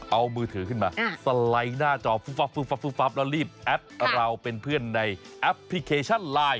เอามือถือขึ้นมาสไลด์หน้าจอฟุบแล้วรีบแอปเราเป็นเพื่อนในแอปพลิเคชันไลน์